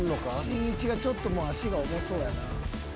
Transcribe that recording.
しんいちがちょっともう足が重そうやな。